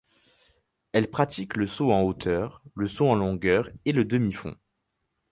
Elle pratique le saut en hauteur, le saut en longueur et le demi-fond.